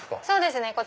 そうですね。